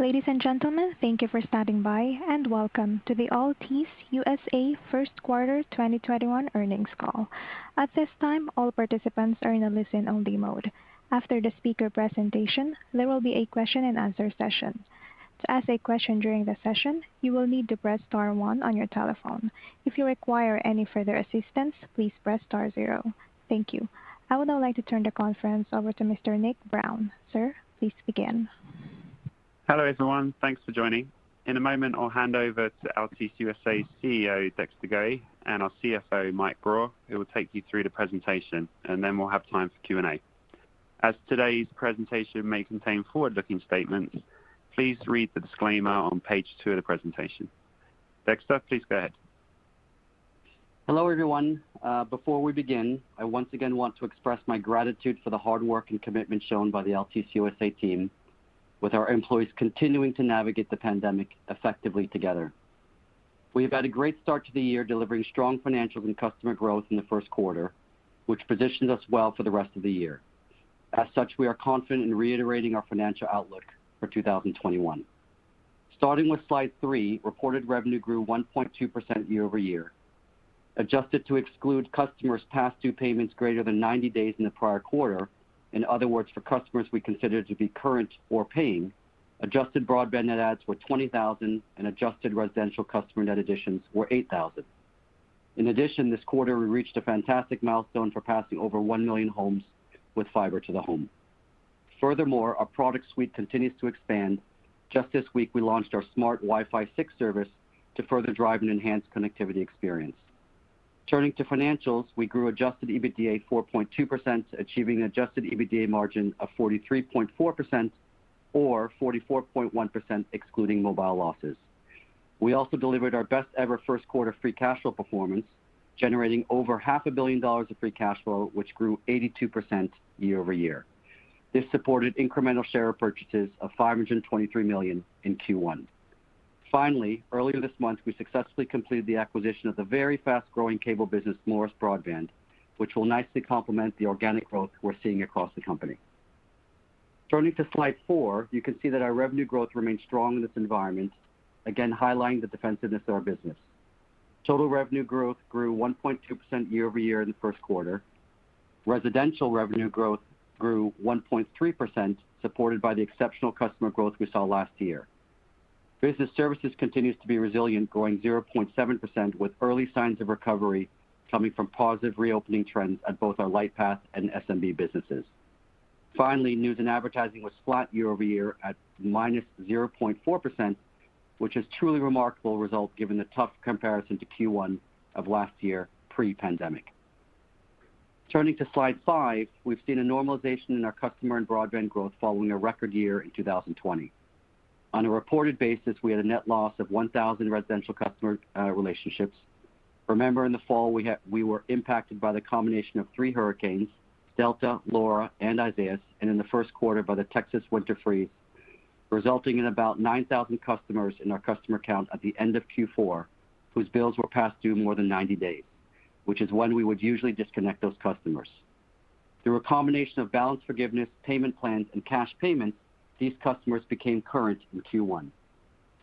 Ladies and gentlemen, thank you for stopping by, and welcome to the Altice USA first quarter 2021 earnings call. at this time, all participants are in a listen-only mode. After the speaker presentation, there will be a question and answer session. To ask a question during the session, you will need to press star one on your telephone. If you require any further assistance, please press star zero. Thank you. I would now like to turn the conference over to Mr. Nick Brown. Sir, please begin. Hello, everyone. Thanks for joining. In a moment, I'll hand over to Altice USA CEO Dexter Goei and our CFO, Mike Grau, who will take you through the presentation, and then we'll have time for Q&A. As today's presentation may contain forward-looking statements, please read the disclaimer on page two of the presentation. Dexter, please go ahead. Hello, everyone. Before we begin, I once again want to express my gratitude for the hard work and commitment shown by the Altice USA team, with our employees continuing to navigate the pandemic effectively together. We've had a great start to the year delivering strong financial and customer growth in the first quarter, which positions us well for the rest of the year. As such, we are confident in reiterating our financial outlook for 2021. Starting with slide three, reported revenue grew 1.2% year-over-year. Adjusted to exclude customers' past due payments greater than 90 days in the prior quarter, in other words, for customers we consider to be current or paying, adjusted broadband net adds were 20,000, and adjusted residential customer net additions were 8,000. In addition, this quarter we reached a fantastic milestone for passing over 1 million homes with fiber to the home. Furthermore, our product suite continues to expand. Just this week, we launched our Smart WiFi 6 service to further drive an enhanced connectivity experience. Turning to financials, we grew adjusted EBITDA 4.2%, achieving an adjusted EBITDA margin of 43.4%, or 44.1% excluding mobile losses. We also delivered our best ever first quarter free cash flow performance, generating over half a billion dollars of free cash flow, which grew 82% year-over-year. This supported incremental share purchases of $523 million in Q1. Finally, earlier this month, we successfully completed the acquisition of the very fast-growing cable business, Morris Broadband, which will nicely complement the organic growth we're seeing across the company. Turning to slide four, you can see that our revenue growth remains strong in this environment, again highlighting the defensiveness of our business. Total revenue growth grew 1.2% year-over-year in the first quarter. Residential revenue growth grew 1.3%, supported by the exceptional customer growth we saw last year. Business services continues to be resilient, growing 0.7% with early signs of recovery coming from positive reopening trends at both our Lightpath and SMB businesses. Finally, news and advertising was flat year-over-year at -0.4%, which is a truly remarkable result given the tough comparison to Q1 of last year pre-pandemic. Turning to slide five, we've seen a normalization in our customer and broadband growth following a record year in 2020. On a reported basis, we had a net loss of 1,000 residential customer relationships. Remember, in the fall, we were impacted by the combination of three hurricanes, Delta, Laura, and Isaias, and in the first quarter by the Texas winter freeze, resulting in about 9,000 customers in our customer count at the end of Q4 whose bills were past due more than 90 days, which is when we would usually disconnect those customers. Through a combination of balance forgiveness, payment plans, and cash payments, these customers became current in Q1.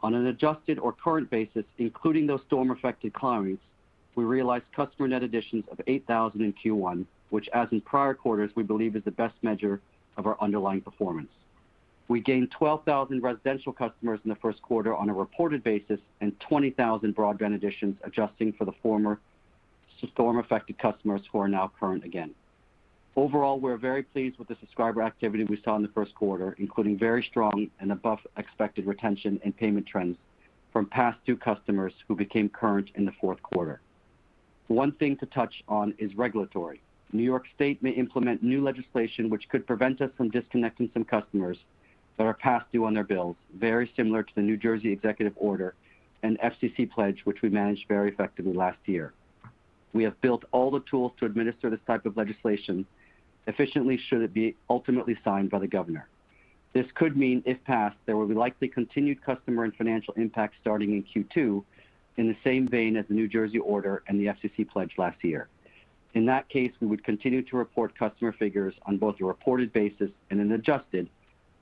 On an adjusted or current basis, including those storm-affected clients, we realized customer net additions of 8,000 in Q1, which as in prior quarters, we believe is the best measure of our underlying performance. We gained 12,000 broadband customers in the first quarter on a reported basis and 20,000 broadband additions adjusting for the former storm-affected customers who are now current again. Overall, we're very pleased with the subscriber activity we saw in the first quarter, including very strong and above expected retention and payment trends from past due customers who became current in the fourth quarter. The one thing to touch on is regulatory. New York State may implement new legislation which could prevent us from disconnecting some customers that are past due on their bills, very similar to the New Jersey executive order and FCC pledge, which we managed very effectively last year. We have built all the tools to administer this type of legislation efficiently should it be ultimately signed by the governor. This could mean, if passed, there will be likely continued customer and financial impact starting in Q2 in the same vein as the New Jersey order and the FCC pledge last year. In that case, we would continue to report customer figures on both a reported basis and an adjusted,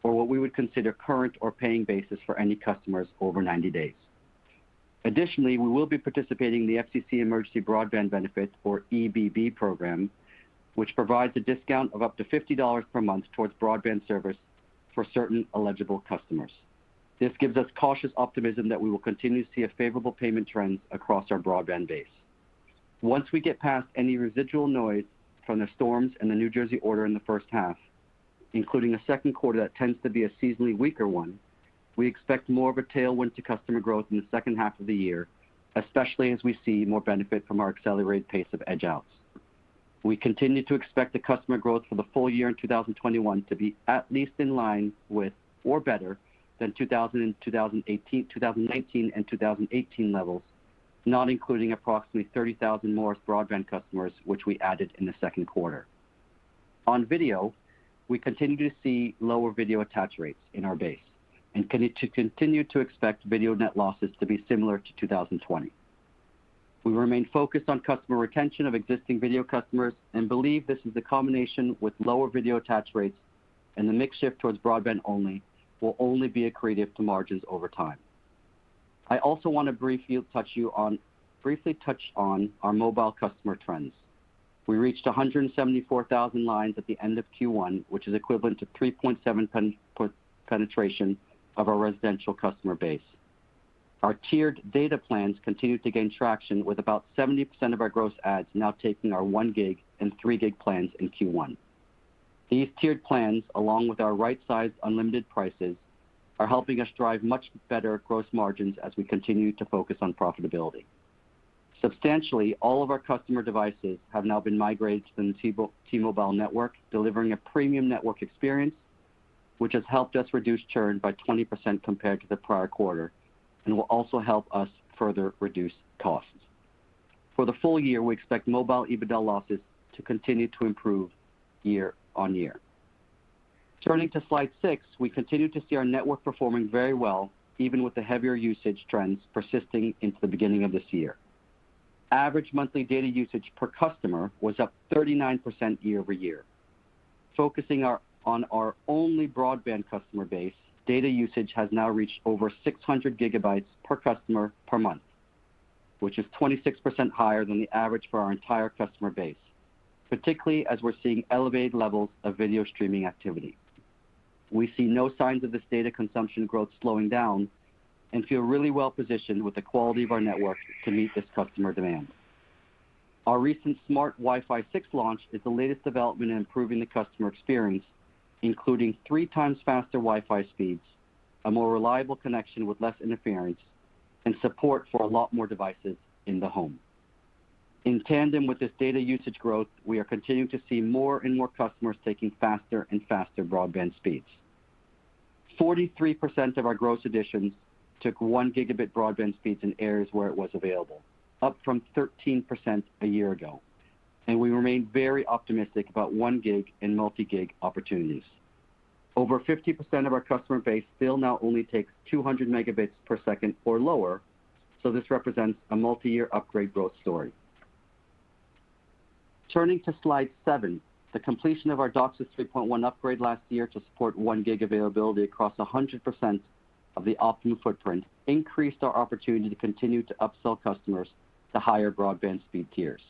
or what we would consider current or paying basis for any customers over 90 days. Additionally, we will be participating in the FCC Emergency Broadband Benefit, or EBB program, which provides a discount of up to $50 per month towards broadband service for certain eligible customers. This gives us cautious optimism that we will continue to see a favorable payment trend across our broadband base. Once we get past any residual noise from the storms and the New Jersey order in the first half, including a second quarter that tends to be a seasonally weaker one, we expect more of a tailwind to customer growth in the second half of the year, especially as we see more benefit from our accelerated pace of edge outs. We continue to expect the customer growth for the full year in 2021 to be at least in line with or better than 2019 and 2018 levels, not including approximately 30,000 Morris Broadband customers, which we added in the second quarter. On video, we continue to see lower video attach rates in our base and continue to expect video net losses to be similar to 2020. We remain focused on customer retention of existing video customers and believe this is a combination with lower video attach rates and the mix shift towards broadband only will only be accretive to margins over time. I also want to briefly touch on our mobile customer trends. We reached 174,000 lines at the end of Q1, which is equivalent to 3.7% penetration of our residential customer base. Our tiered data plans continue to gain traction with about 70% of our gross adds now taking our 1 GB and 3GB plans in Q1. These tiered plans, along with our right-sized unlimited prices, are helping us drive much better gross margins as we continue to focus on profitability. Substantially, all of our customer devices have now been migrated to the T-Mobile network, delivering a premium network experience, which has helped us reduce churn by 20% compared to the prior quarter and will also help us further reduce costs. For the full year, we expect mobile EBITDA losses to continue to improve year-over-year. Turning to slide six, we continue to see our network performing very well, even with the heavier usage trends persisting into the beginning of this year. Average monthly data usage per customer was up 39% year-over-year. Focusing on our only broadband customer base, data usage has now reached over 600 GB per customer per month, which is 26% higher than the average for our entire customer base, particularly as we're seeing elevated levels of video streaming activity. We see no signs of this data consumption growth slowing down and feel really well positioned with the quality of our network to meet this customer demand. Our recent Smart WiFi 6 launch is the latest development in improving the customer experience, including three times faster Wi-Fi speeds, a more reliable connection with less interference, and support for a lot more devices in the home. In tandem with this data usage growth, we are continuing to see more and more customers taking faster and faster broadband speeds. 43% of our gross additions took 1 GB broadband speeds in areas where it was available, up from 13% a year ago. We remain very optimistic about 1 GB and multi-gig opportunities. Over 50% of our customer base still now only takes 200 Mbps or lower. This represents a multi-year upgrade growth story. Turning to slide seven, the completion of our DOCSIS 3.1 upgrade last year to support 1 GB availability across 100% of the Optimum footprint increased our opportunity to continue to upsell customers to higher broadband speed tiers.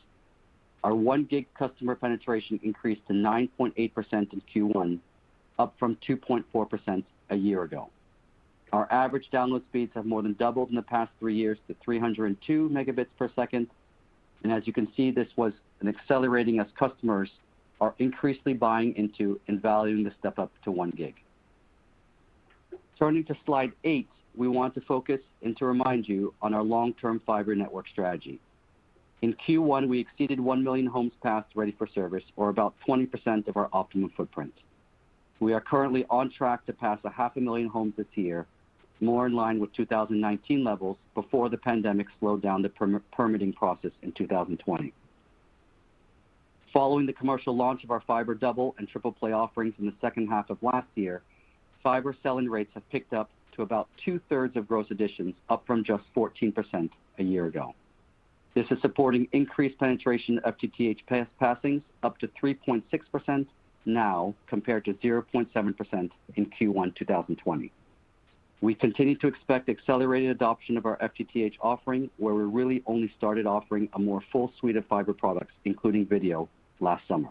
Our 1 GB customer penetration increased to 9.8% in Q1, up from 2.4% a year ago. Our average download speeds have more than doubled in the past three years to 302 Mbps. As you can see, this was accelerating as customers are increasingly buying into and valuing the step up to 1 GB. Turning to slide eight, we want to focus and to remind you on our long term fiber network strategy. In Q1, we exceeded 1 million homes passed ready for service, or about 20% of our Optimum footprint. We are currently on track to pass a half a million homes this year, more in line with 2019 levels before the pandemic slowed down the permitting process in 2020. Following the commercial launch of our fiber double and triple play offerings in the second half of last year, fiber selling rates have ticked up to about 2/3 of gross additions, up from just 14% a year ago. This is supporting increased penetration of FTTH passings up to 3.6% now compared to 0.7% in Q1 2020. We continue to expect accelerated adoption of our FTTH offering, where we really only started offering a more full suite of fiber products, including video, last summer.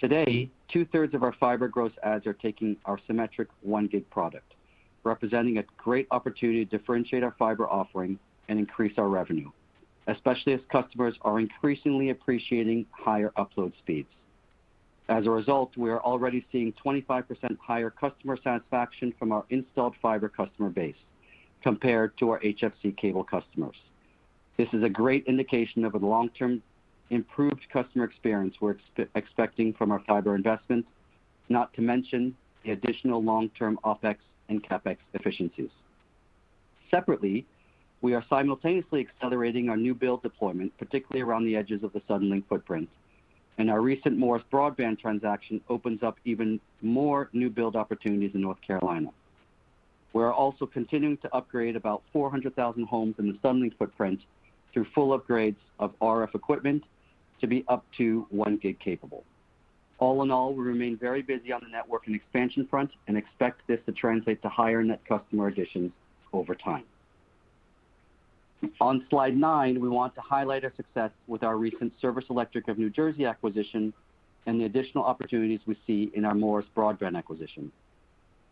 Today, 2/3 of our fiber gross adds are taking our symmetric 1 GB product, representing a great opportunity to differentiate our fiber offering and increase our revenue, especially as customers are increasingly appreciating higher upload speeds. As a result, we are already seeing 25% higher customer satisfaction from our installed fiber customer base compared to our HFC cable customers. This is a great indication of the long term improved customer experience we're expecting from our fiber investments, not to mention the additional long term OpEx and CapEx efficiencies. Separately, we are simultaneously accelerating our new build deployment, particularly around the edges of the Suddenlink footprint, and our recent Morris Broadband transaction opens up even more new build opportunities in North Carolina. We are also continuing to upgrade about 400,000 homes in the Suddenlink footprint through full upgrades of RF equipment to be up to 1 GB capable. All in all, we remain very busy on the network and expansion front and expect this to translate to higher net customer additions over time. On slide nine, we want to highlight our success with our recent Service Electric of New Jersey acquisition and the additional opportunities we see in our Morris Broadband acquisition.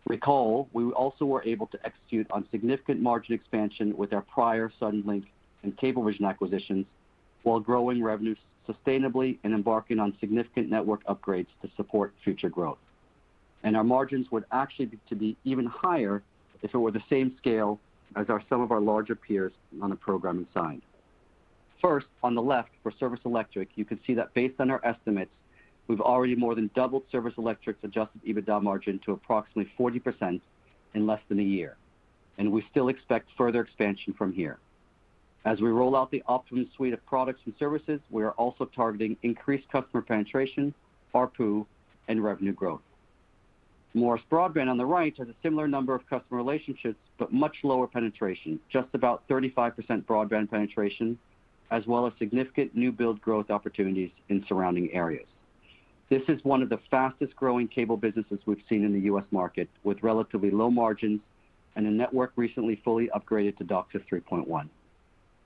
Recall, we also were able to execute on significant margin expansion with our prior Suddenlink and Cablevision acquisitions while growing revenues sustainably and embarking on significant network upgrades to support future growth. Our margins would actually be even higher if it were the same scale as some of our larger peers on a pro forma size. First, on the left, for Service Electric, you can see that based on our estimates, we've already more than doubled Service Electric's adjusted EBITDA margin to approximately 40% in less than one year, and we still expect further expansion from here. As we roll out the Optimum suite of products and services, we are also targeting increased customer penetration, ARPU, and revenue growth. Morris Broadband on the right has a similar number of customer relationships but much lower penetration, just about 35% broadband penetration, as well as significant new build growth opportunities in surrounding areas. This is one of the fastest-growing cable businesses we've seen in the U.S. market, with relatively low margins and a network recently fully upgraded to DOCSIS 3.1.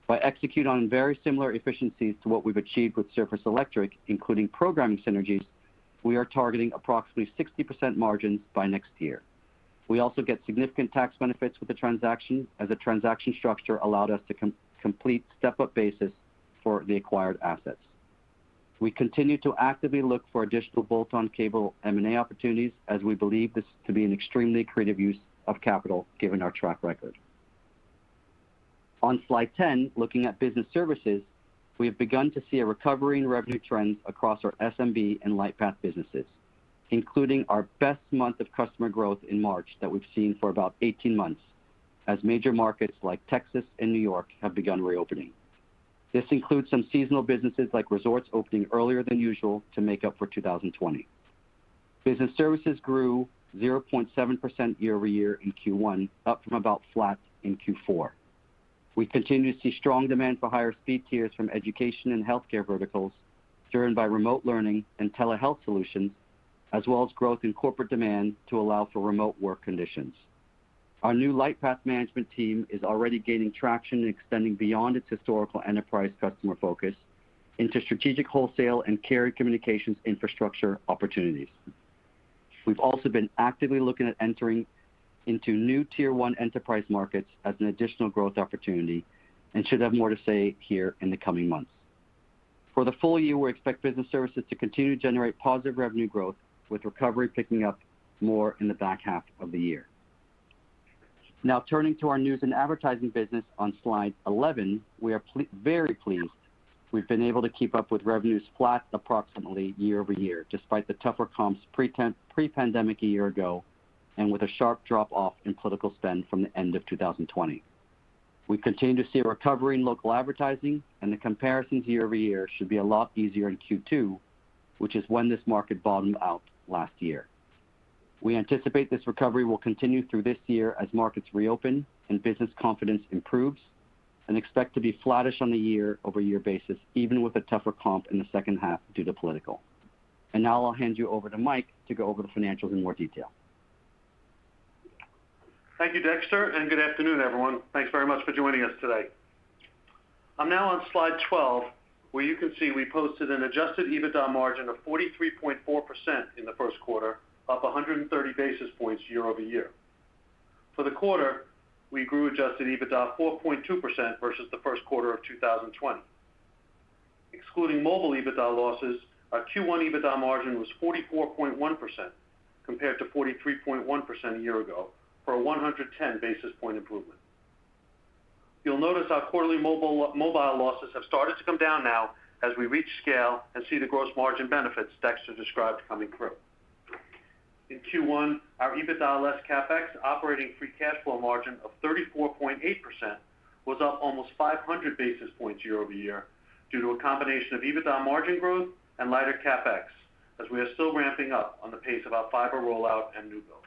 By executing on very similar efficiencies to what we've achieved with Service Electric, including programming synergies, we are targeting approximately 60% margins by next year. We also get significant tax benefits with the transaction, as the transaction structure allowed us to complete step-up basis for the acquired assets. We continue to actively look for additional bolt-on cable M&A opportunities, as we believe this to be an extremely creative use of capital given our track record. On slide 10, looking at business services, we've begun to see a recovery in revenue trends across our SMB and Lightpath businesses, including our best month of customer growth in March that we've seen for about 18 months, as major markets like Texas and New York have begun reopening. This includes some seasonal businesses like resorts opening earlier than usual to make up for 2020. Business services grew 0.7% year-over-year in Q1, up from about flat in Q4. We continue to see strong demand for higher speed tiers from education and healthcare verticals, driven by remote learning and telehealth solutions, as well as growth in corporate demand to allow for remote work conditions. Our new Lightpath management team is already gaining traction and extending beyond its historical enterprise customer focus into strategic wholesale and carrier communications infrastructure opportunities. We've also been actively looking at entering into new Tier 1 enterprise markets as an additional growth opportunity and should have more to say here in the coming months. For the full year, we expect business services to continue to generate positive revenue growth, with recovery picking up more in the back half of the year. Turning to our news and advertising business on slide 11, we are very pleased we've been able to keep up with revenues flat approximately year-over-year, despite the tougher comps pre-pandemic a year ago and with a sharp drop-off in political spend from the end of 2020. We continue to see a recovery in local advertising, the comparison year-over-year should be a lot easier in Q2, which is when this market bottomed out last year. We anticipate this recovery will continue through this year as markets reopen and business confidence improves and expect to be flattish on a year-over-year basis, even with a tougher comp in the second half due to political. Now I'll hand you over to Mike to go over the financials in more detail. Thank you, Dexter. Good afternoon, everyone. Thanks very much for joining us today. I'm now on slide 12, where you can see we posted an adjusted EBITDA margin of 43.4% in the first quarter, up 130 basis points year-over-year. For the quarter, we grew adjusted EBITDA 4.2% versus the first quarter of 2020. Excluding mobile EBITDA losses, our Q1 EBITDA margin was 44.1% compared to 43.1% a year ago for a 110 basis point improvement. You'll notice our quarterly mobile losses have started to come down now as we reach scale and see the gross margin benefits Dexter described coming through. In Q1, our EBITDA less CapEx operating free cash flow margin of 34.8% was up almost 500 basis points year-over-year due to a combination of EBITDA margin growth and lighter CapEx, as we are still ramping up on the pace of our fiber rollout and new builds.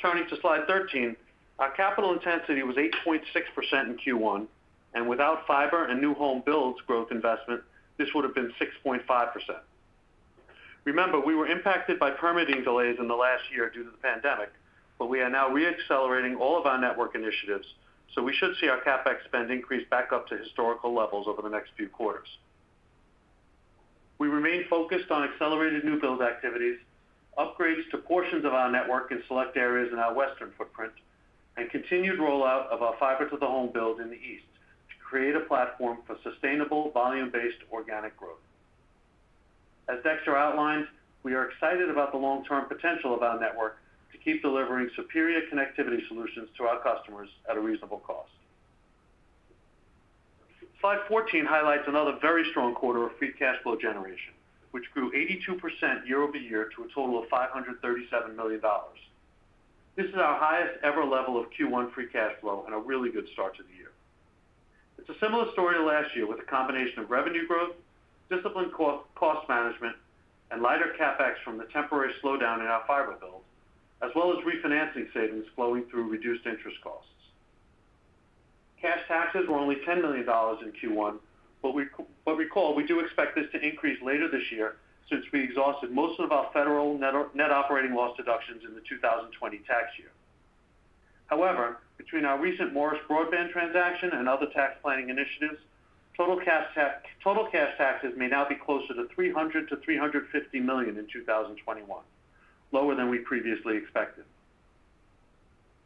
Turning to slide 13, our capital intensity was 8.6% in Q1, and without fiber and new home builds growth investment, this would have been 6.5%. Remember, we were impacted by permitting delays in the last year due to the pandemic, but we are now re-accelerating all of our network initiatives, so we should see our CapEx spend increase back up to historical levels over the next few quarters. We remain focused on accelerating new build activities, upgrades to portions of our network in select areas in our Western footprint, and continued rollout of our fiber to the home build in the East to create a platform for sustainable volume-based organic growth. As Dexter outlined, we are excited about the long-term potential of our network to keep delivering superior connectivity solutions to our customers at a reasonable cost. Slide 14 highlights another very strong quarter of free cash flow generation, which grew 82% year-over-year to a total of $537 million. This is our highest ever level of Q1 free cash flow and a really good start to the year. It's a similar story last year with a combination of revenue growth, disciplined cost management, and lighter CapEx from the temporary slowdown in our fiber build, as well as refinancing savings flowing through reduced interest costs. Cash taxes were only $10 million in Q1. Recall we do expect this to increase later this year since we exhausted most of our federal net operating loss deductions in the 2020 tax year. Between our recent Morris Broadband transaction and other tax planning initiatives, total cash taxes may now be closer to $300 million-$350 million in 2021, lower than we previously expected.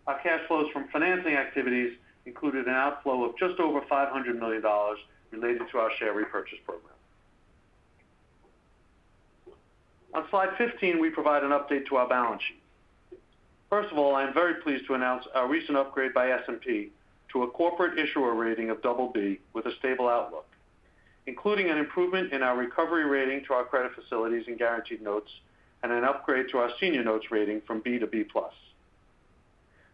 Our cash flows from financing activities included an outflow of just over $500 million related to our share repurchase program. On slide 15, we provide an update to our balance sheet. First of all, I am very pleased to announce our recent upgrade by S&P to a corporate issuer rating of BB with a stable outlook, including an improvement in our recovery rating to our credit facilities and guaranteed notes and an upgrade to our senior notes rating from B to B+.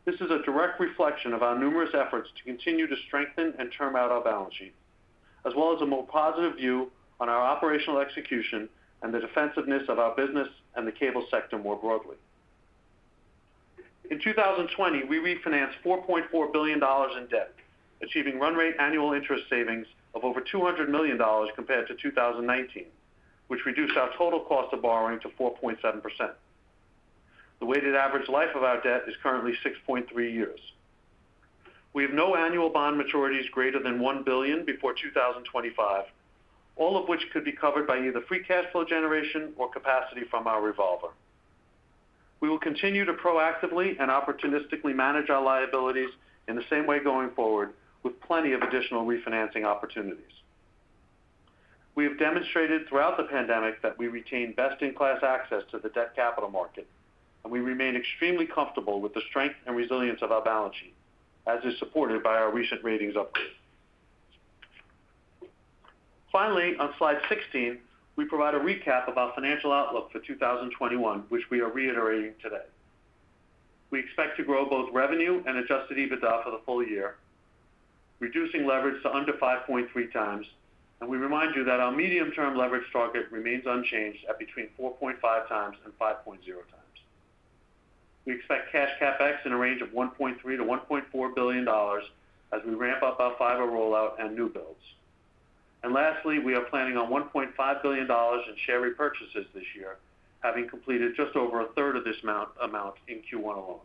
This is a direct reflection of our numerous efforts to continue to strengthen and term out our balance sheet, as well as a more positive view on our operational execution and the defensiveness of our business and the cable sector more broadly. In 2020, we refinanced $4.4 billion in debt, achieving run rate annual interest savings of over $200 million compared to 2019, which reduced our total cost of borrowing to 4.7%. The weighted average life of our debt is currently 6.3 years. We have no annual bond maturities greater than $1 billion before 2025, all of which could be covered by either free cash flow generation or capacity from our revolver. We will continue to proactively and opportunistically manage our liabilities in the same way going forward, with plenty of additional refinancing opportunities. We have demonstrated throughout the pandemic that we retain best-in-class access to the debt capital market, and we remain extremely comfortable with the strength and resilience of our balance sheet, as is supported by our recent ratings upgrade. Finally, on slide 16, we provide a recap of our financial outlook for 2021, which we are reiterating today. We expect to grow both revenue and adjusted EBITDA for the full year, reducing leverage to under 5.3x, and we remind you that our medium-term leverage target remains unchanged at between 4.5x and 5.0x. We expect cash CapEx in a range of $1.3 billion-$1.4 billion as we ramp up our fiber rollout and new builds. Lastly, we are planning on $1.5 billion in share repurchases this year, having completed just over a third of this amount in Q1 alone.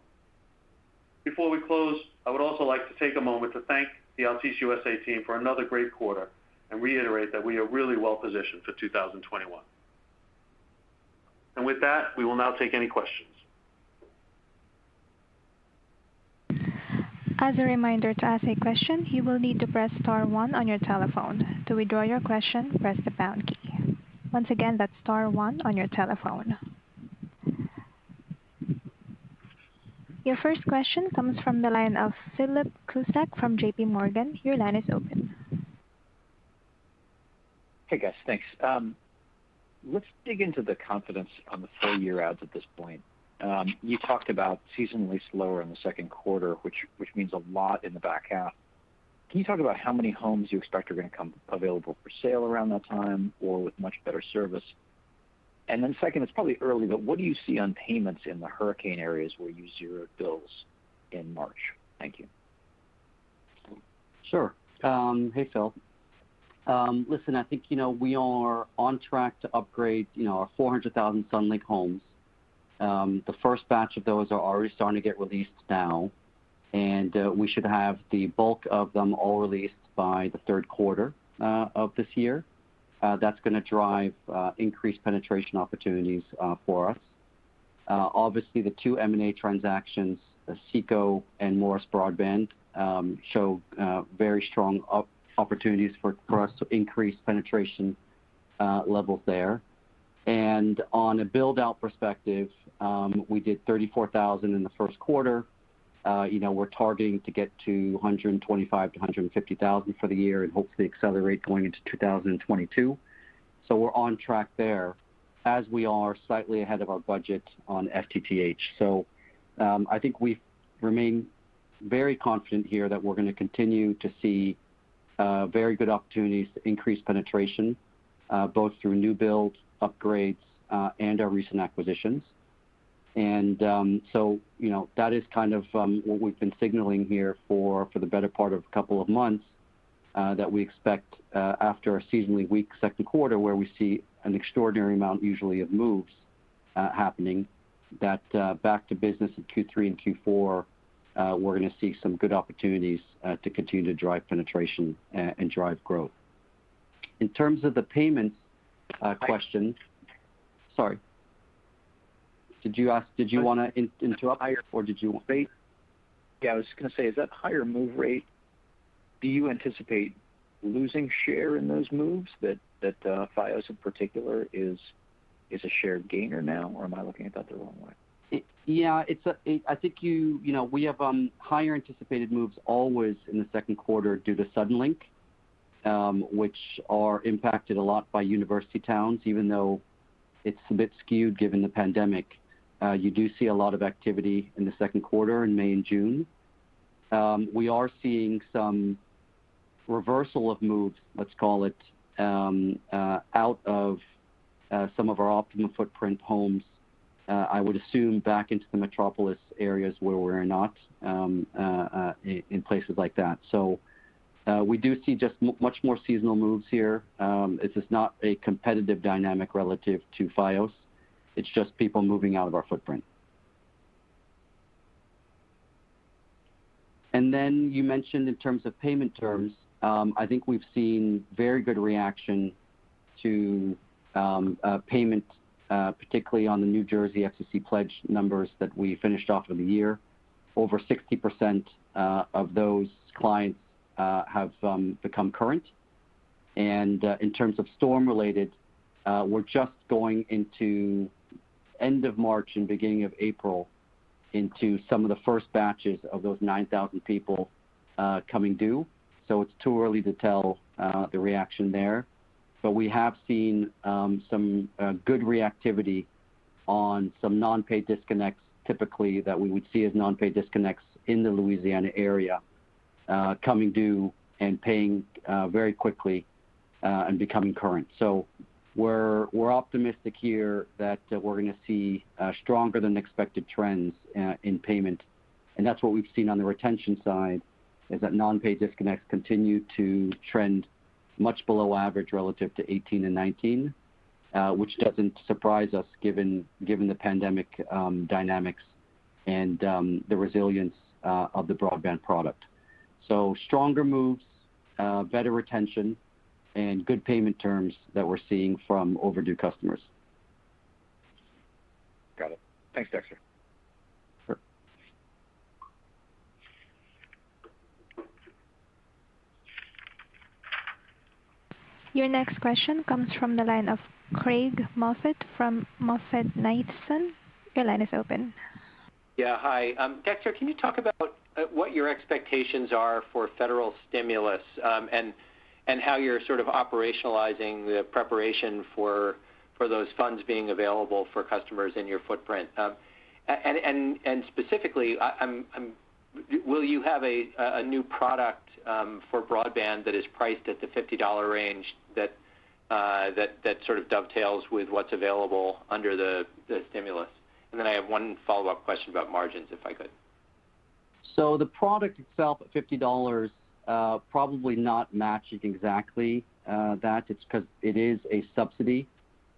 Before we close, I would also like to take a moment to thank the Altice USA team for another great quarter and reiterate that we are really well positioned for 2021. With that, we will now take any questions. As a reminder, to ask a question, you need to press star one on your telephone. To withdrawal your question, press the pound key. Once again, it's star one on your telephone. Your first question comes from the line of Philip Cusick from JPMorgan. Your line is open. Hey, guys. Thanks. Let's dig into the confidence on the full-year ads at this point. You talked about seasonally slower in the second quarter, which means a lot in the back half. Can you talk about how many homes you expect are going to come available for sale around that time, or with much better service? Second, it's probably early, but what do you see on payments in the hurricane areas where you zeroed bills in March? Thank you. Sure. Hey, Phil. Listen, I think we are on track to upgrade our 400,000 Suddenlink homes. The first batch of those are already starting to get released now, and we should have the bulk of them all released by the third quarter of this year. That's going to drive increased penetration opportunities for us. Obviously, the two M&A transactions, SECO and Morris Broadband, show very strong opportunities for us to increase penetration levels there. On a build-out perspective, we did 34,000 homes in the first quarter. We're targeting to get to 125,000-150,000 homes for the year and hopefully accelerate going into 2022. We're on track there as we are slightly ahead of our budget on FTTH. I think we remain very confident here that we're going to continue to see very good opportunities to increase penetration, both through new builds, upgrades, and our recent acquisitions. That is what we've been signaling here for the better part of a couple of months, that we expect after a seasonally weak second quarter where we see an extraordinary amount usually of moves happening, that back to business in Q3 and Q4, we're going to see some good opportunities to continue to drive penetration and drive growth. In terms of the payment question. Sorry, did you want to interrupt, or did you want me? Yeah, I was just going to say, is that higher move rate, do you anticipate losing share in those moves, that Fios in particular is a share gainer now, or am I looking at that the wrong way? We have higher anticipated moves always in the second quarter due to Suddenlink, which are impacted a lot by university towns, even though it's a bit skewed given the pandemic. You do see a lot of activity in the second quarter in May and June. We are seeing some reversal of moves, let's call it, out of some of our Optimum footprint homes, I would assume back into the metropolis areas where we're not, in places like that. We do see just much more seasonal moves here. It is not a competitive dynamic relative to Fios. It's just people moving out of our footprint. You mentioned in terms of payment terms, I think we've seen very good reaction to payments, particularly on the New Jersey FCC pledge numbers that we finished off in the year. Over 60% of those clients have become current. In terms of storm related, we're just going into end of March and beginning of April into some of the first batches of those 9,000 people coming due. It's too early to tell the reaction there. We have seen some good reactivity on some non-pay disconnects, typically that we would see as non-pay disconnects in the Louisiana area, coming due and paying very quickly and becoming current. We're optimistic here that we're going to see stronger than expected trends in payment. That's what we've seen on the retention side is that non-pay disconnects continue to trend much below average relative to 2018 and 2019, which doesn't surprise us given the pandemic dynamics and the resilience of the broadband product. Stronger moves, better retention, and good payment terms that we're seeing from overdue customers. Got it. Thanks, Dexter. Sure. Your next question comes from the line of Craig Moffett from MoffettNathanson. Your line is open. Yeah, hi. Dexter, can you talk about what your expectations are for federal stimulus and how you're sort of operationalizing the preparation for those funds being available for customers in your footprint? Specifically, will you have a new product for broadband that is priced at the $50 range that sort of dovetails with what's available under the stimulus? Then I have one follow-up question about margins, if I could. The product itself at $50 probably not matches exactly that. It's because it is a subsidy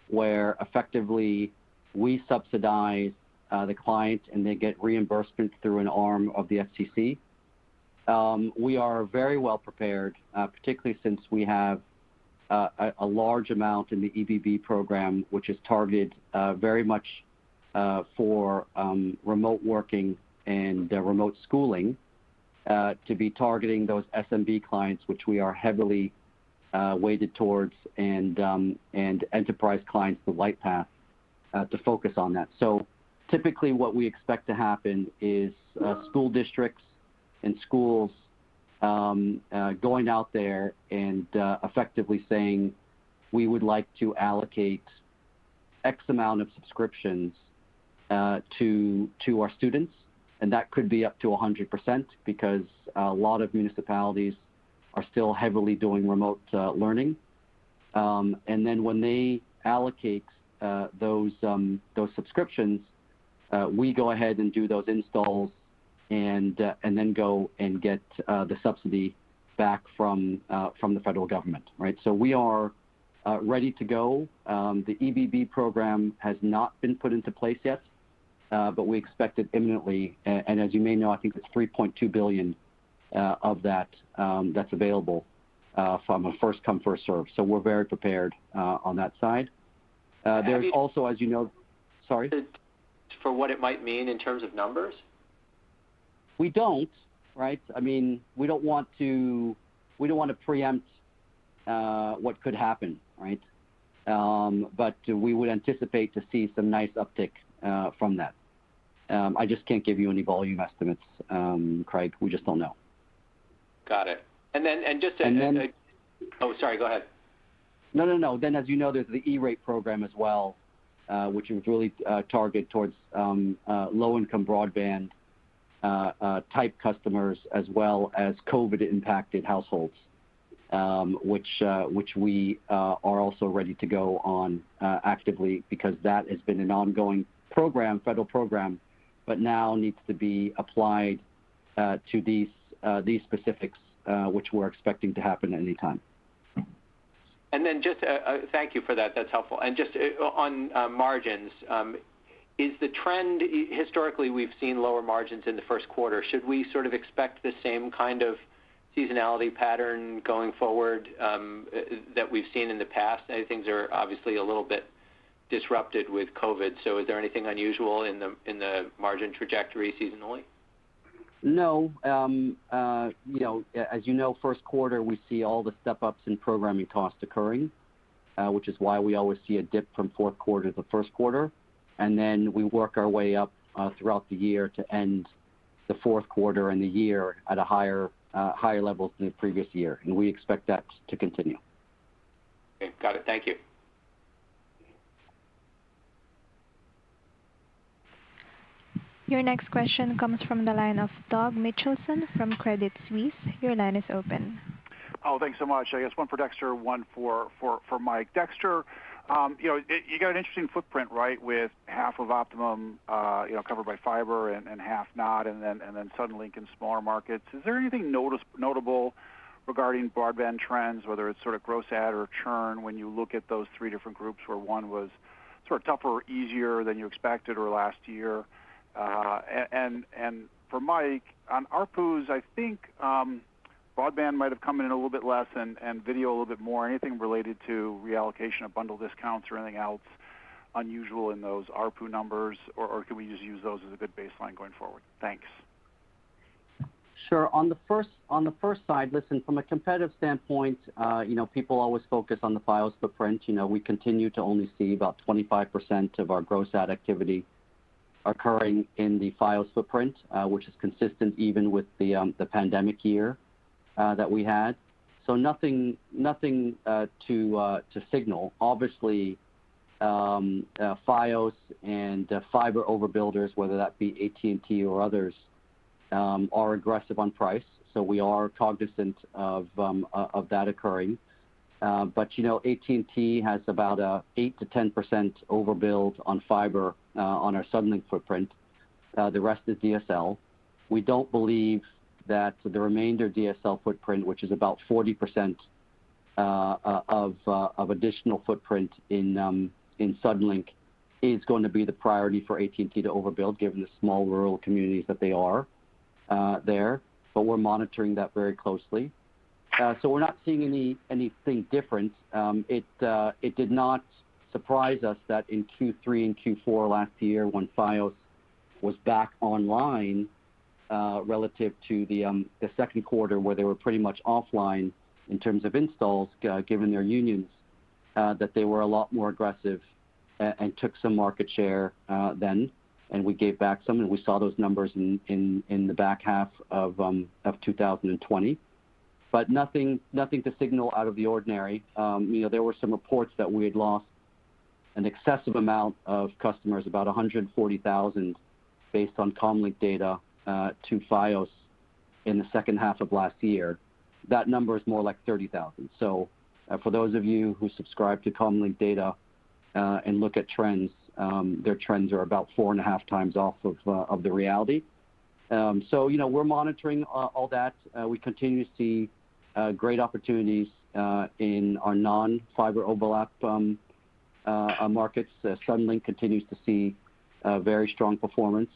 where effectively we subsidize the client and they get reimbursement through an arm of the FCC. We are very well prepared, particularly since we have a large amount in the EBB program, which is targeted very much for remote working and remote schooling to be targeting those SMB clients, which we are heavily weighted towards and enterprise clients with Lightpath to focus on that. Typically what we expect to happen is school districts and schools going out there and effectively saying, "We would like to allocate X amount of subscriptions to our students." That could be up to 100% because a lot of municipalities are still heavily doing remote learning. When they allocate those subscriptions, we go ahead and do those installs and then go and get the subsidy back from the federal government. Right? We are ready to go. The EBB Program has not been put into place yet, but we expect it imminently. As you may know, I think it's $3.2 billion of that that's available from a first come, first served. We're very prepared on that side. There's also, as you know. Sorry? For what it might mean in terms of numbers? We don't. Right? We don't want to preempt what could happen. Right? We would anticipate to see some nice uptick from that. I just can't give you any volume estimates, Craig. We just don't know. Got it. And then- Oh, sorry, go ahead. No, no. As you know, there's the E-Rate Program as well, which is really targeted towards low income broadband type customers, as well as COVID impacted households which we are also ready to go on actively because that has been an ongoing federal program, but now needs to be applied to these specifics which we're expecting to happen anytime. Thank you for that. That's helpful. Just on margins, is the trend? Historically, we've seen lower margins in the first quarter. Should we sort of expect the same kind of seasonality pattern going forward that we've seen in the past? I think things are obviously a little bit disrupted with COVID, is there anything unusual in the margin trajectory seasonally? No. As you know, first quarter we see all the step ups in programming costs occurring, which is why we always see a dip from fourth quarter to the first quarter, and then we work our way up throughout the year to end the fourth quarter and the year at a higher level than the previous year, and we expect that to continue. Got it. Thank you. Your next question comes from the line of Doug Mitchelson from Credit Suisse. Oh, thanks so much. I guess one for Dexter, one for Mike. Dexter, you got an interesting footprint, right? With half of Optimum covered by fiber and half not, and then Suddenlink in smaller markets. Is there anything notable regarding broadband trends, whether it's sort of gross add or churn when you look at those three different groups where one was sort of tougher, easier than you expected or last year? For Mike, on ARPUs, I think broadband might have come in a little bit less and video a little bit more. Anything related to reallocation of bundle discounts or anything else unusual in those ARPU numbers, or can we just use those as a good baseline going forward? Thanks. Sure. On the first side, listen, from a competitive standpoint people always focus on the Fios footprint. We continue to only see about 25% of our gross add activity occurring in the Fios footprint, which is consistent even with the pandemic year that we had. Nothing to signal. Obviously, Fios and fiber overbuilders, whether that be AT&T or others, are aggressive on price. We are cognizant of that occurring. AT&T has about 8%-10% overbuild on fiber on our Suddenlink footprint. The rest is DSL. We don't believe that the remainder DSL footprint, which is about 40% of additional footprint in Suddenlink, is going to be the priority for AT&T to overbuild, given the small rural communities that they are there. We're monitoring that very closely. We're not seeing anything different. It did not surprise us that in Q3 and Q4 last year, when Fios was back online relative to the second quarter where they were pretty much offline in terms of installs, given their unions, that they were a lot more aggressive and took some market share then, and we gave back some, and we saw those numbers in the back half of 2020. Nothing to signal out of the ordinary. There were some reports that we had lost an excessive amount of customers, about 140,000, based on Comscore data, to Fios in the second half of last year. That number is more like 30,000. For those of you who subscribe to Comscore data and look at trends, their trends are about four and a half times off of the reality. We're monitoring all that. We continue to see great opportunities in our non-fiber overlap markets. Suddenlink continues to see very strong performance.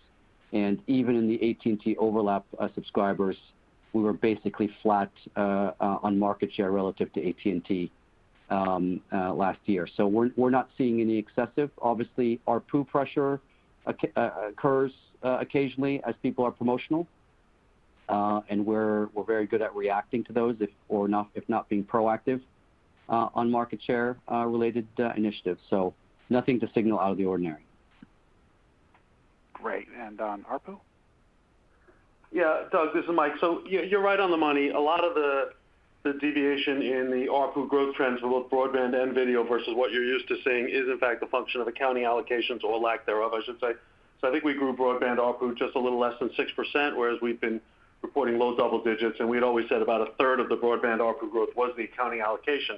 Even in the AT&T overlap subscribers, we were basically flat on market share relative to AT&T last year. We're not seeing any excessive. Obviously, our promo pressure occurs occasionally as people are promotional. We're very good at reacting to those, if not being proactive on market share related initiatives. Nothing to signal out of the ordinary. Great. ARPU? Yeah. Doug, this is Mike. You're right on the money. A lot of the deviation in the ARPU growth trends for both broadband and video versus what you're used to seeing is, in fact, a function of accounting allocations or lack thereof, I should say. I think we grew broadband ARPU just a little less than 6%, whereas we've been reporting low double digits, and we'd always said about a third of the broadband ARPU growth was the accounting allocation.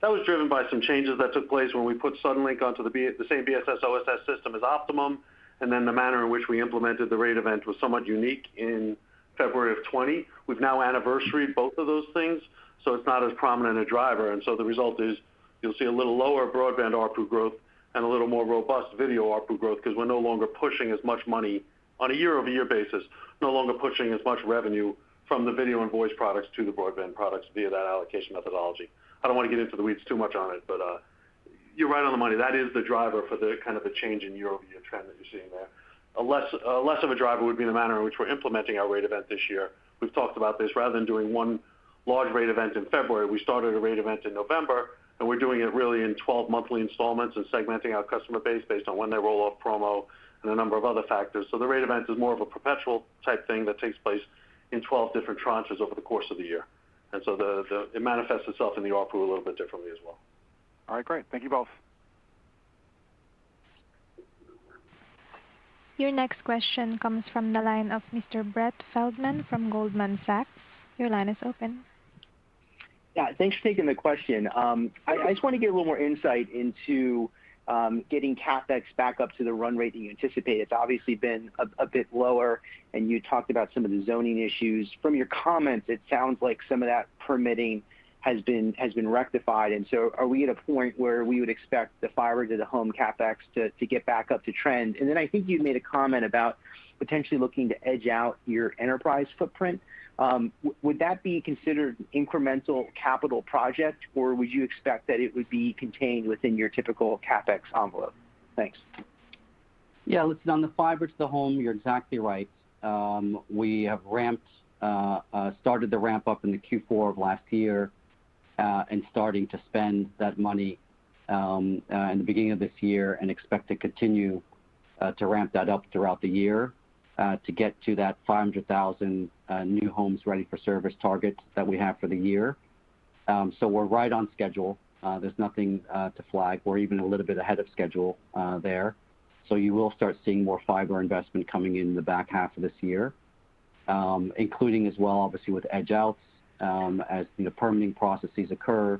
That was driven by some changes that took place when we put Suddenlink onto the same BSS/OSS system as Optimum. The manner in which we implemented the rate event was somewhat unique in February of 2020. We've now anniversaried both of those things, it's not as prominent a driver. The result is you'll see a little lower broadband ARPU growth and a little more robust video ARPU growth because we're no longer pushing as much money on a year-over-year basis, no longer pushing as much revenue from the video and voice products to the broadband products via that allocation methodology. I don't want to get into the weeds too much on it, but you're right on the money. That is the driver for the change in year-over-year trend that you're seeing there. Less of a driver would be the manner in which we're implementing our rate event this year. We've talked about this. Rather than doing one large rate event in February, we started a rate event in November, and we're doing it really in 12 monthly installments and segmenting our customer base based on when they roll off promo and a number of other factors. The rate event is more of a perpetual type thing that takes place in 12 different tranches over the course of the year. It manifests itself in the ARPU a little bit differently as well. All right, great. Thank you both. Your next question comes from the line of Mr. Brett Feldman from Goldman Sachs. Your line is open. Yeah. Thanks for taking the question. I just want to get a little more insight into getting CapEx back up to the run rate that you anticipate. It's obviously been a bit lower. You talked about some of the zoning issues. From your comments, it sounds like some of that permitting has been rectified. Are we at a point where we would expect the fiber to the home CapEx to get back up to trend? I think you made a comment about potentially looking to edge out your enterprise footprint. Would that be considered incremental capital project, or would you expect that it would be contained within your typical CapEx envelope? Thanks. Yeah. Listen, on the fiber to the home, you're exactly right. We have started the ramp up into Q4 of last year, starting to spend that money in the beginning of this year and expect to continue to ramp that up throughout the year to get to that 500,000 new homes ready for service target that we have for the year. We're right on schedule. There's nothing to flag. We're even a little bit ahead of schedule there. You will start seeing more fiber investment coming in the back half of this year, including as well, obviously, with edge outs as the permitting processes occur.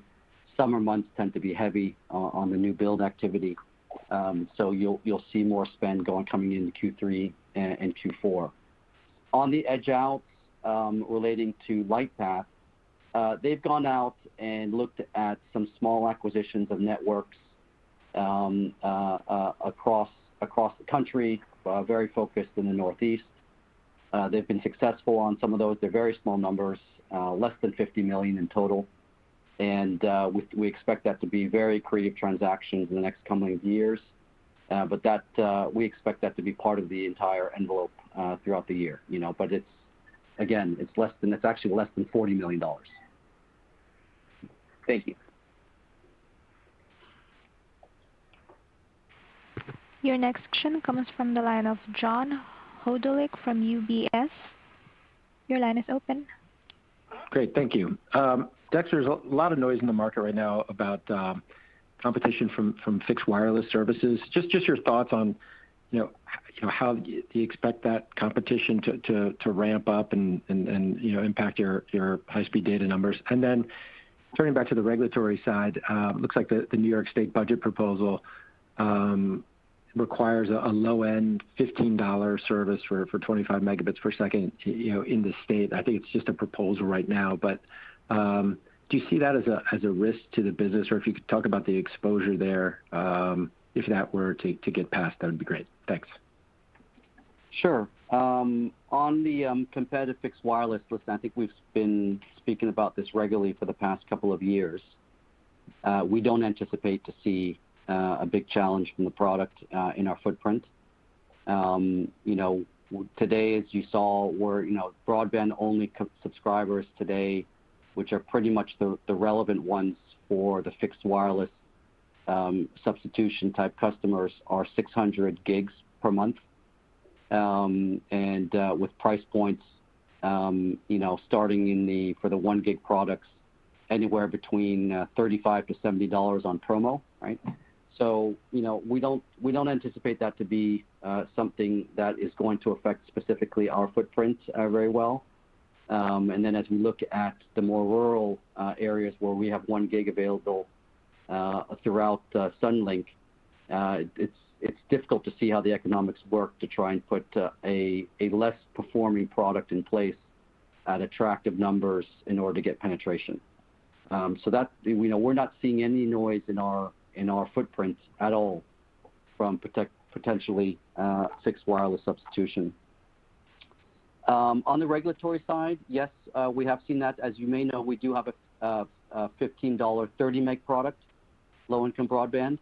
Summer months tend to be heavy on the new build activity, you'll see more spend coming in in Q3 and in Q4. On the edge-outs relating to Lightpath, they've gone out and looked at some small acquisitions of networks across the country, very focused in the Northeast. They've been successful on some of those. They're very small numbers, less than $50 million in total. We expect that to be very accretive transactions in the next coming of years. We expect that to be part of the entire envelope throughout the year. Again, it's actually less than $40 million. Thank you. Your next question comes from the line of John Hodulik from UBS. Your line is open. Great. Thank you. Dexter, there's a lot of noise in the market right now about competition from fixed wireless services. Just your thoughts on how you expect that competition to ramp up and impact your high-speed data numbers? Turning back to the regulatory side, looks like the New York State budget proposal requires a low-end $15 service for 25 Mbps in the state. I think it's just a proposal right now, do you see that as a risk to the business? If you could talk about the exposure there, if that were to get passed, that'd be great. Thanks. Sure. On the competitive fixed wireless, listen, I think we've been speaking about this regularly for the past couple of years. We don't anticipate to see a big challenge from the product in our footprint. Today, as you saw, our broadband-only subscribers today, which are pretty much the relevant ones for the fixed wireless substitution type customers, are 600 GB per month. With price points starting for the 1 GB products anywhere between $35-$70 on promo. We don't anticipate that to be something that is going to affect specifically our footprint very well. As we look at the more rural areas where we have 1 GB available throughout Suddenlink, it's difficult to see how the economics work to try and put a less performing product in place at attractive numbers in order to get penetration. We're not seeing any noise in our footprint at all from potentially fixed wireless substitution. On the regulatory side, yes, we have seen that. As you may know, we do have a $15, 30 Mbps product, low income broadband.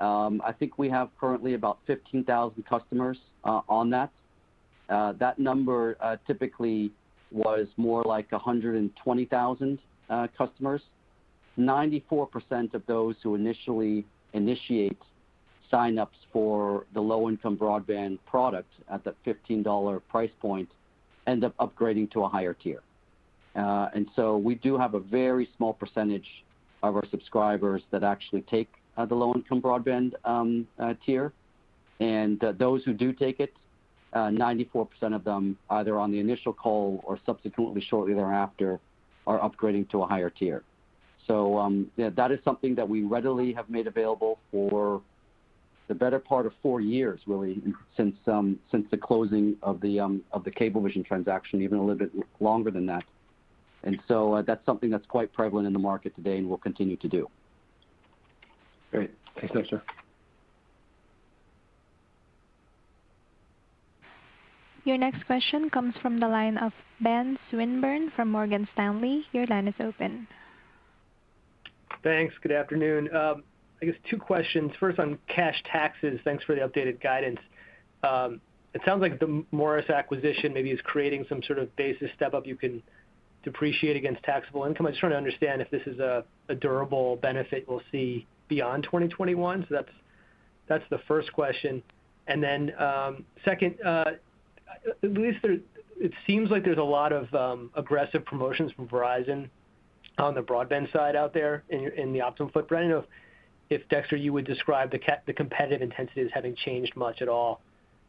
I think we have currently about 15,000 customers on that. That number typically was more like 120,000 customers. 94% of those who initially initiate sign-ups for the low income broadband product at that $15 price point end up upgrading to a higher tier. We do have a very small percentage of our subscribers that actually take the low income broadband tier. Those who do take it, 94% of them, either on the initial call or subsequently shortly thereafter, are upgrading to a higher tier. That is something that we readily have made available for the better part of four years, really, since the closing of the Cablevision transaction, even a little bit longer than that. That's something that's quite prevalent in the market today and we'll continue to do. Great. Thanks so much, sir. Your next question comes from the line of Ben Swinburne from Morgan Stanley. Thanks. Good afternoon. I guess two questions. First, on cash taxes. Thanks for the updated guidance. It sounds like the Morris acquisition maybe is creating some sort of basis step-up you can depreciate against taxable income. I'm trying to understand if this is a durable benefit we'll see beyond 2021. That's the first question. Second, at least it seems like there's a lot of aggressive promotions from Verizon on the broadband side out there in the Optimum footprint. I don't know if, Dexter, you would describe the competitive intensity as having changed much at all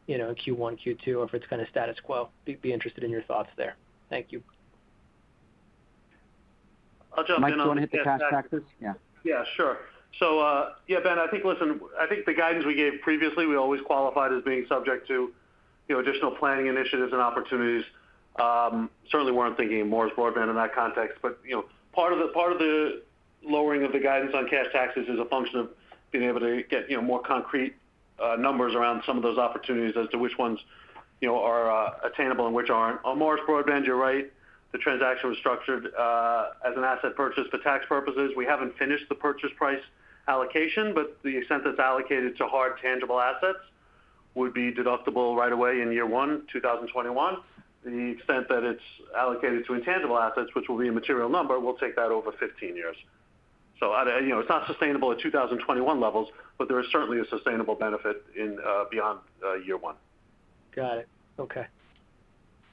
in Q1, Q2, or if it's kind of status quo. I'd be interested in your thoughts there. Thank you. Mike you want to discuss cash taxes? Yeah. Yeah, sure. Ben, I think the guidance we gave previously, we always qualified as being subject to additional planning initiatives and opportunities. Certainly weren't thinking of Morris Broadband in that context. Part of the lowering of the guidance on cash taxes is a function of being able to get more concrete numbers around some of those opportunities as to which ones are attainable and which aren't. On Morris Broadband, you're right. The transaction was structured as an asset purchase for tax purposes. We haven't finished the purchase price allocation, but the extent that's allocated to hard tangible assets would be deductible right away in year one, 2021. The extent that it's allocated to intangible assets, which will be a material number, we'll take that over 15 years. It's not sustainable at 2021 levels, but there is certainly a sustainable benefit beyond year one. Got it. Okay.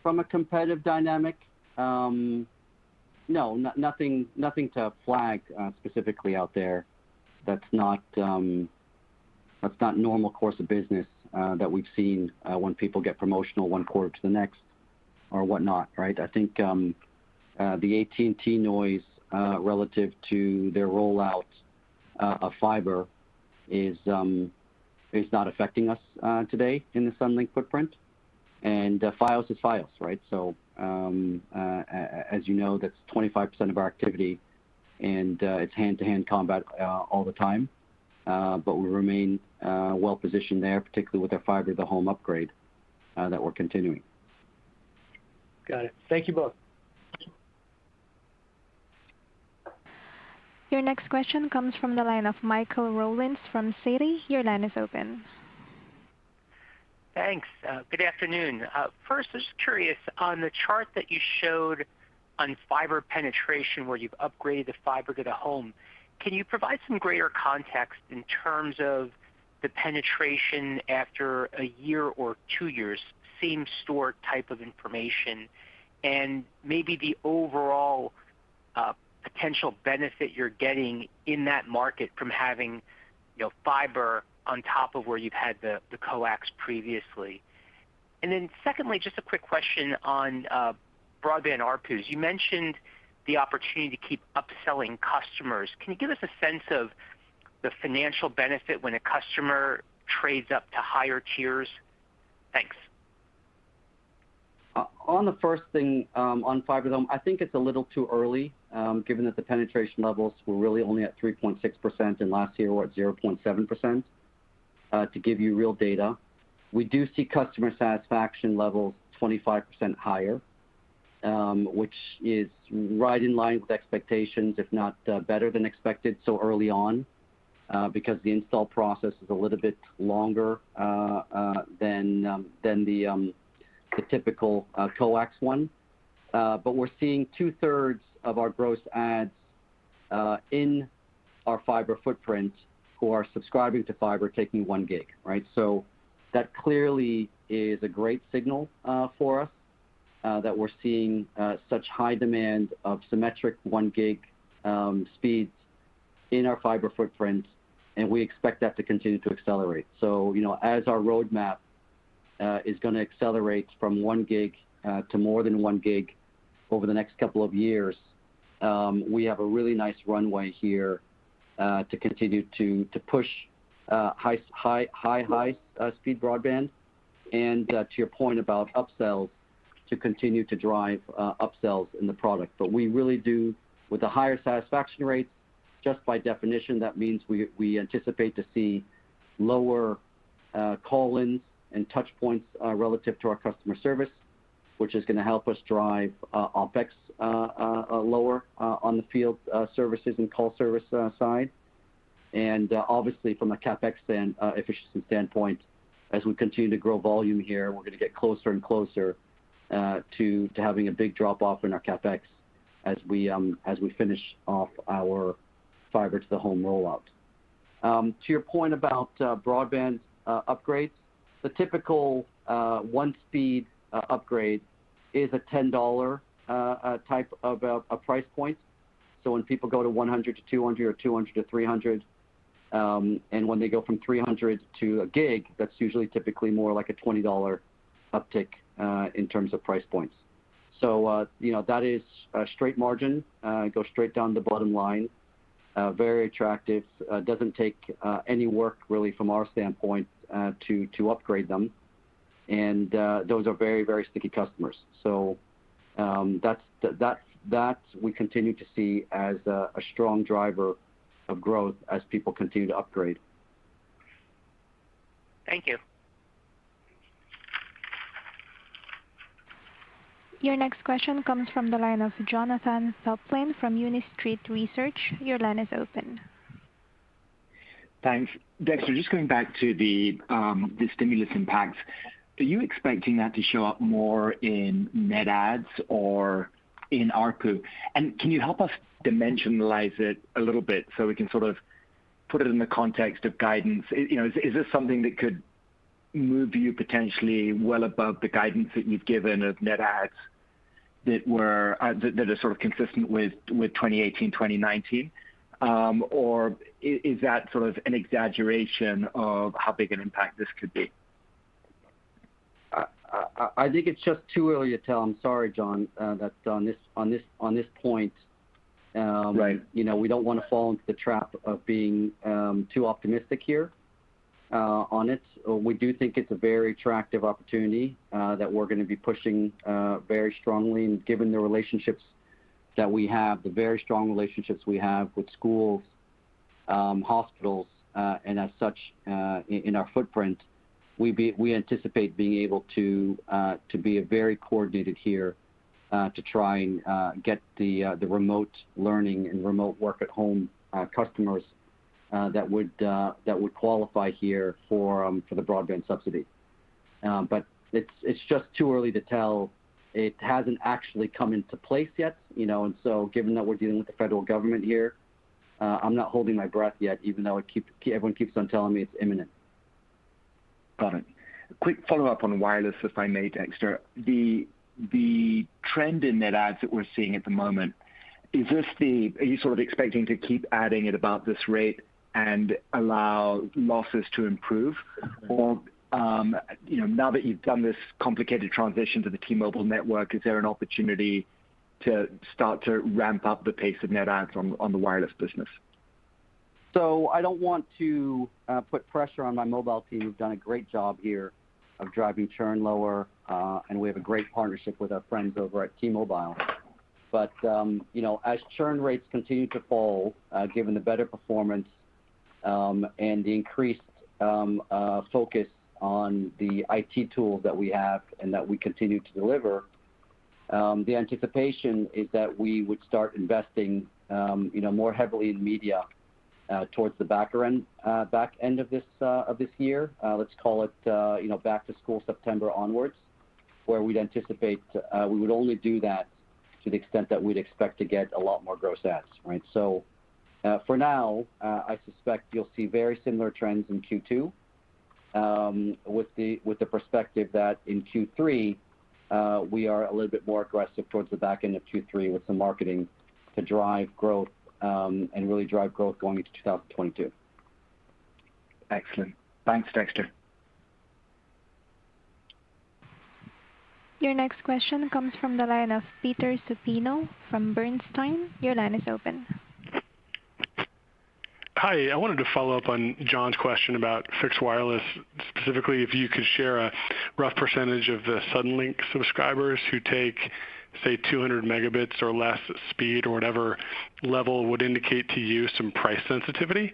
From a competitive dynamic, no, nothing to flag specifically out there that's not normal course of business that we've seen when people get promotional one quarter to the next or whatnot. I think the AT&T noise relative to their rollout of fiber is not affecting us today in the Suddenlink footprint. Fios is Fios. As you know, that's 25% of our activity, and it's hand-to-hand combat all the time. We remain well positioned there, particularly with the fiber to the home upgrade that we're continuing. Got it. Thank you both. Your next question comes from the line of Michael Rollins from Citi. Your line is open. Thanks. Good afternoon. First, just curious, on the chart that you showed on fiber penetration where you've upgraded the fiber to the home, can you provide some greater context in terms of the penetration after a year or two years, same store type of information, and maybe the overall potential benefit you're getting in that market from having fiber on top of where you've had the coax previously? Secondly, just a quick question on broadband ARPU. You mentioned the opportunity to keep upselling customers. Can you give us a sense of the financial benefit when a customer trades up to higher tiers? Thanks. On the first thing, on fiber to home, I think it's a little too early, given that the penetration levels were really only at 3.6% and last year were at 0.7%, to give you real data. We do see customer satisfaction levels 25% higher, which is right in line with expectations, if not better than expected so early on, because the install process is a little bit longer than the typical coax one. We're seeing 2/3 of our gross adds in our fiber footprint who are subscribing to fiber taking 1 GB. That clearly is a great signal for us, that we're seeing such high demand of symmetric 1 GB speeds in our fiber footprint, and we expect that to continue to accelerate. As our roadmap is going to accelerate from 1 GB to more than 1 GB over the next couple of years, we have a really nice runway here to continue to push high speed broadband and, to your point about upsells, to continue to drive upsells in the product. We really do with a higher satisfaction rate, just by definition, that means we anticipate to see lower call-ins and touch points relative to our customer service, which is going to help us drive OpEx lower on the field services and call service side. From a CapEx efficiency standpoint, as we continue to grow volume here, we're going to get closer and closer to having a big drop-off in our CapEx as we finish off our fiber to the home rollout. To your point about broadband upgrades, the typical one-speed upgrade is a $10 type of a price point. When people go to 100 Mbps to 200 Mbps or 200 Mbps to 300 Mbps, and when they go from 300 Mbps to 1 GB, that's usually typically more like a $20 uptick in terms of price points. That is a straight margin, goes straight down the bottom line. Very attractive. Doesn't take any work really from our standpoint to upgrade them, and those are very sticky customers. That we continue to see as a strong driver of growth as people continue to upgrade. Thank you. Your next question comes from the line of Jonathan Chaplin from New Street Research. Your line is open. Thanks. Dexter, just going back to the stimulus impacts. Are you expecting that to show up more in net adds or in ARPU? Can you help us dimensionalize it a little bit so we can sort of put it in the context of guidance? Is this something that could move you potentially well above the guidance that you've given of net adds that are sort of consistent with 2018, 2019? Or is that sort of an exaggeration of how big an impact this could be? I think it's just too early to tell. I'm sorry, John, that on this point. Right We don't want to fall into the trap of being too optimistic here on it. We do think it's a very attractive opportunity that we're going to be pushing very strongly. Given the relationships that we have, the very strong relationships we have with schools, hospitals, and as such, in our footprint, we anticipate being able to be very coordinated here to try and get the remote learning and remote work at home customers that would qualify here for the broadband subsidy. It's just too early to tell. It hasn't actually come into place yet. Given that we're dealing with the federal government here, I'm not holding my breath yet, even though everyone keeps on telling me it's imminent. Got it. Quick follow-up on wireless, if I may, Dexter. The trend in net adds that we're seeing at the moment, are you sort of expecting to keep adding at about this rate and allow losses to improve? Now that you've done this complicated transition to the T-Mobile network, is there an opportunity to start to ramp up the pace of net adds on the wireless business? I don't want to put pressure on my mobile team, who've done a great job here of driving churn lower, and we have a great partnership with our friends over at T-Mobile. As churn rates continue to fall, given the better performance and the increased focus on the IT tools that we have and that we continue to deliver. The anticipation is that we would start investing more heavily in media towards the back end of this year. Let's call it back to school, September onwards, where we'd anticipate we would only do that to the extent that we'd expect to get a lot more gross adds. For now, I suspect you'll see very similar trends in Q2 with the perspective that in Q3 we are a little bit more aggressive towards the back end of Q3 with the marketing to drive growth and really drive growth going into 2022. Excellent. Thanks, Dexter. Your next question comes from the line of Peter Supino from Bernstein. Your line is open. Hi. I wanted to follow up on John's question about fixed wireless. Specifically, if you could share a rough percentage of the Suddenlink subscribers who take, say, 200 Mbps or less speed or whatever level would indicate to you some price sensitivity.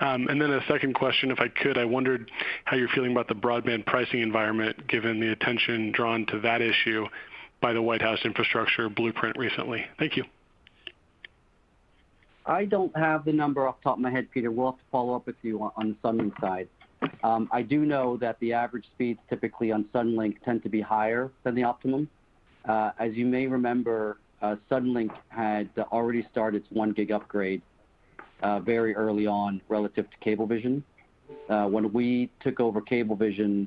Then the second question, if I could, I wondered how you're feeling about the broadband pricing environment, given the attention drawn to that issue by the White House infrastructure blueprint recently. Thank you. I don't have the number off the top of my head, Peter. We'll have to follow up with you on Suddenlink side. I do know that the average speeds typically on Suddenlink tend to be higher than the Optimum. As you may remember, Suddenlink had already started its 1 GB upgrade very early on relative to Cablevision. When we took over Cablevision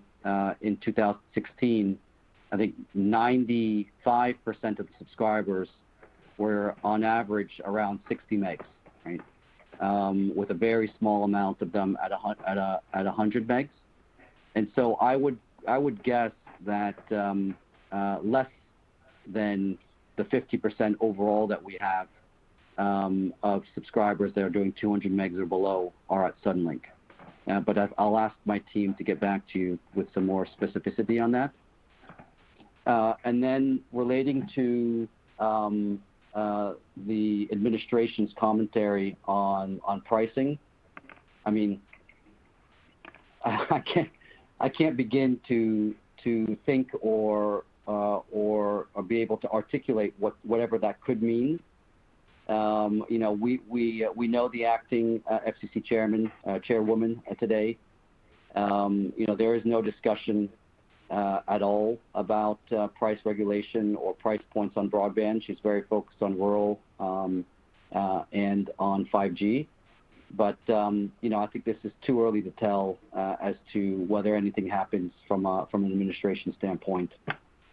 in 2016, I think 95% of subscribers were on average around 60 Mbps, with a very small amount of them at 100 Mbps. I would guess that less than the 50% overall that we have of subscribers that are doing 200 Mbps or below are at Suddenlink. I'll ask my team to get back to you with some more specificity on that. Relating to the administration's commentary on pricing, I can't begin to think or be able to articulate whatever that could mean. We know the acting FCC Chairwoman today. There is no discussion at all about price regulation or price points on broadband. She's very focused on rural and on 5G. I think this is too early to tell as to whether anything happens from an administration standpoint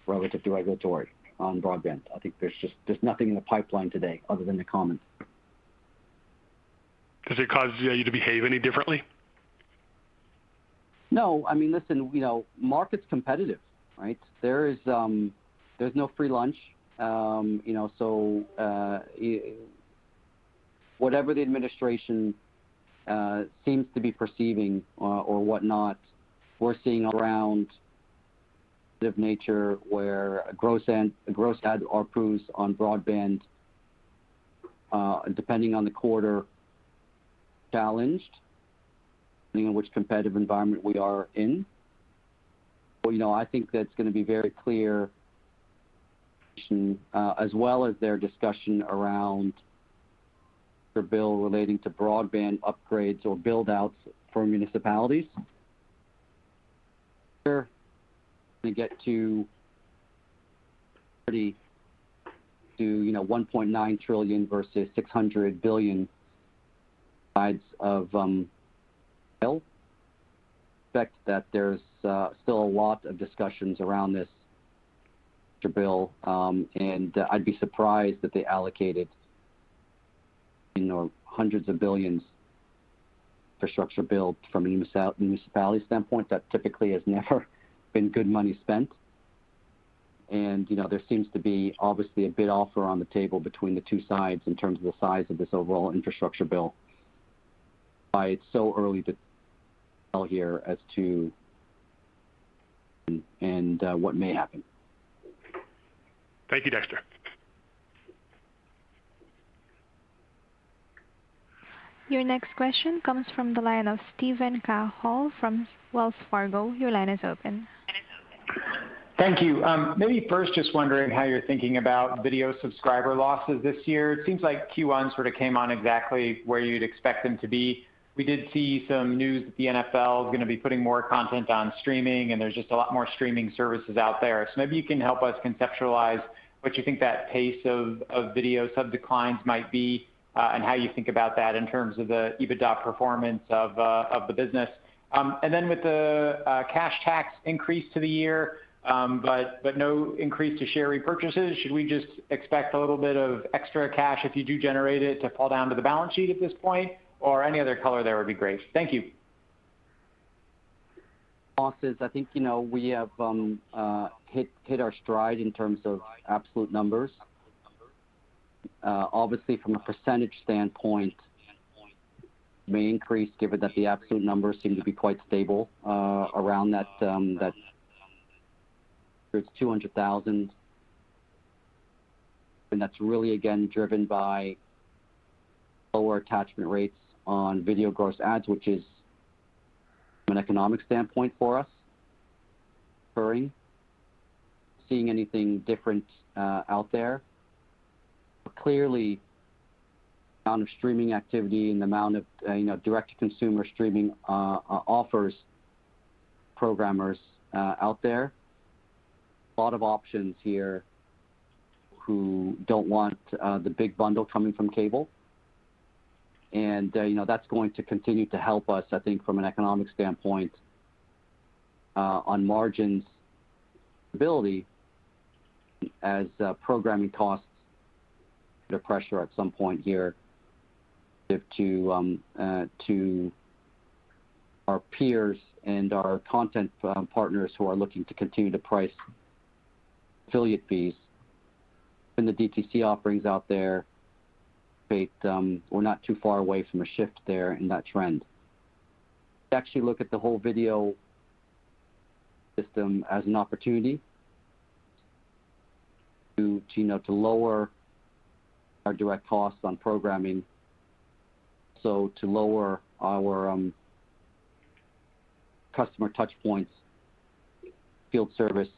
relative to regulatory on broadband. I think there's just nothing in the pipeline today other than the comments. Does it cause you to behave any differently? No, listen, market's competitive, right. There's no free lunch. Whatever the administration seems to be perceiving or whatnot, we're seeing around good nature where gross add accrues on broadband depending on the quarter challenged, which competitive environment we are in. I think that's going to be very clear as well as their discussion around the bill relating to broadband upgrades or build-outs for municipalities. Sure, we get to privy to $1.9 trillion versus $600 billion sides of bill. I expect that there's still a lot of discussions around this bill, and I'd be surprised if they allocated hundreds of billions infrastructure bill from a municipality standpoint. That typically has never been good money spent. There seems to be obviously a bid offer on the table between the two sides in terms of the size of this overall infrastructure bill. It's so early to tell here as to and what may happen. Thank you, Dexter. Your next question comes from the line of Steven Cahall from Wells Fargo. Your line is open. Thank you. Maybe first just wondering how you're thinking about video subscriber losses this year. It seems like Q1 sort of came on exactly where you'd expect them to be. We did see some news that the NFL is going to be putting more content on streaming, and there's just a lot more streaming services out there. Maybe you can help us conceptualize what you think that pace of video sub declines might be and how you think about that in terms of the EBITDA performance of the business. With the cash tax increase to the year but no increase to share repurchases, should we just expect a little bit of extra cash if you do generate it to fall down to the balance sheet at this point or any other color there would be great. Thank you. [Steven], I think we have hit our stride in terms of absolute numbers. Obviously from a percentage standpoint may increase given that the absolute numbers seem to be quite stable around that 200,000 subscribers and that's really again driven by lower attachment rates on video gross adds which is an economic standpoint for us, seeing anything different out there. Clearly, the amount of streaming activity and the amount of direct-to-consumer streaming offers programmers out there, a lot of options here who don't want the big bundle coming from cable. That's going to continue to help us, I think, from an economic standpoint on margins stability as programming costs under pressure at some point here to our peers and our content partners who are looking to continue to price affiliate fees in the DTC offerings out there. We're not too far away from a shift there in that trend. Actually look at the whole video system as an opportunity to lower our direct costs on programming. To lower our customer touch points, field service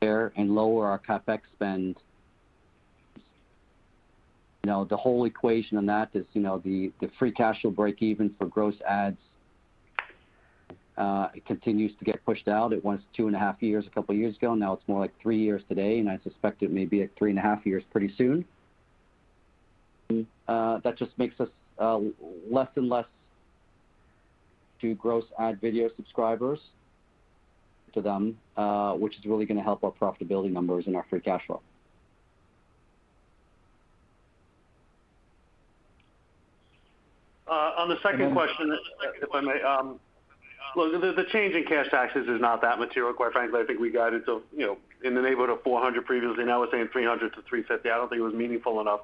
there, and lower our CapEx spend. The whole equation in that is the free cash flow breakeven for gross adds, it continues to get pushed out. It was two and a half years, a couple of years ago, now it's more like three years today, and I suspect it may be at three and a half years pretty soon. That just makes us less and less to gross add video subscribers to them, which is really going to help our profitability numbers and our free cash flow. On the second question, if I may. Look, the change in cash taxes is not that material, quite frankly. I think we guided to in the neighborhood of $400 previously, now we're saying $300-$350. I don't think it was meaningful enough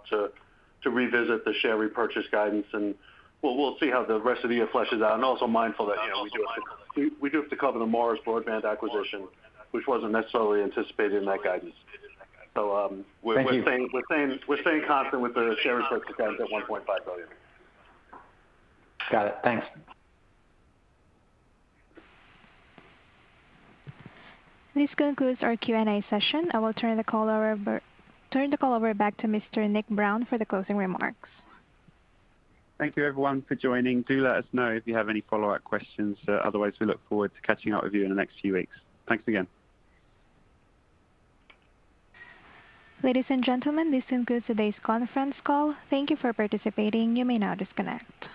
to revisit the share repurchase guidance, and we'll see how the rest of the year fleshes out. I'm also mindful that we do have to cover the Morris Broadband acquisition, which wasn't necessarily anticipated in that guidance. Thank you. We're staying constant with the share repurchase guidance at $1.5 billion. Got it. Thanks. This concludes our Q&A session. I will turn the call over back to Mr. Nick Brown for the closing remarks. Thank you everyone for joining. Do let us know if you have any follow-up questions. Otherwise, we look forward to catching up with you in the next few weeks. Thanks again. Ladies and gentlemen, this concludes today's conference call. Thank you for participating. You may now disconnect.